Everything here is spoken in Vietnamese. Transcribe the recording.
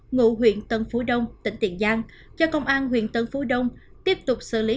ngụ huyện tân phú đông tỉnh tiền giang cho công an huyện tân phú đông tiếp tục xử lý